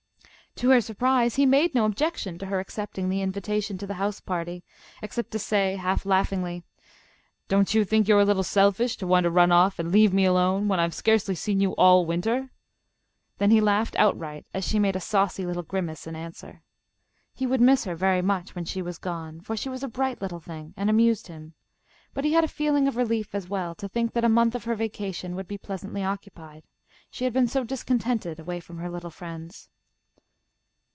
To her surprise, he made no objection to her accepting the invitation to the house party, except to say, half laughingly, "Don't you think you are a little selfish to want to run off and leave me alone when I've scarcely seen you all winter?" Then he laughed outright as she made a saucy little grimace in answer. He would miss her very much when she was gone, for she was a bright little thing and amused him, but he had a feeling of relief as well to think that a month of her vacation would be pleasantly occupied. She had been so discontented away from her little friends.